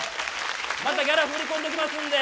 またギャラ振り込んどきますんで。